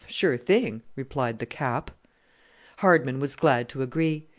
"Sure thing!" replied the "Cap." Hardman was glad to agree.